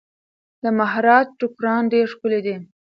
د مهاراجا ټوکران ډیر ښکلي دي.